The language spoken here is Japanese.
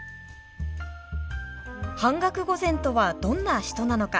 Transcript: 板額御前とはどんな人なのか。